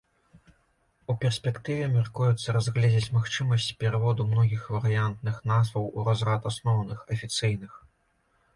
У перспектыве мяркуецца разгледзець магчымасць пераводу многіх варыянтных назваў у разрад асноўных, афіцыйных.